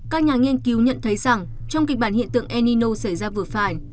các nhà nghiên cứu nhận thấy rằng trong kịch bản hiện tượng el nino xảy ra vừa phải